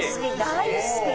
大好き！